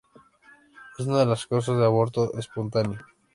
Es una de las causas de aborto espontáneo.